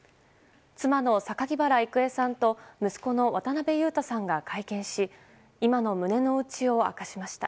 妻の榊原郁恵さんと息子の渡辺裕太さんが会見し今の胸の内を明かしました。